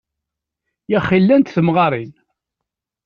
Yaxi llant temɣarin.